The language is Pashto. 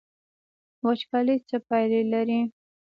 وچکالي څه پایلې لري؟